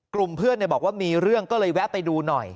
กลุ่มเพื่อนบอกว่ามีเรื่องก็เลยแวะไปดูหน่อย